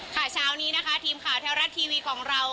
ชาวนี้ทีมขาวแท้วรัฐทีวีของเรา